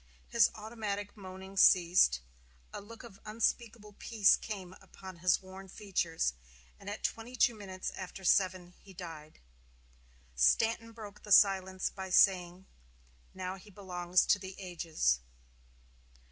His automatic moaning ceased, a look of unspeakable peace came upon his worn features, and at twenty two minutes after seven he died. Stanton broke the silence by saying: "Now he belongs to the ages."